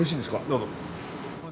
どうぞ。